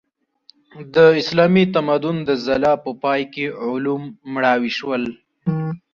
د اسلامي تمدن د ځلا په پای کې علوم مړاوي شول.